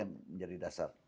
itu yang menjadi dasar